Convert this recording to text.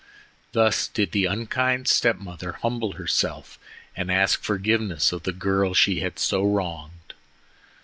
Thus did the unkind step mother humble herself and ask forgiveness of the girl she had so wronged.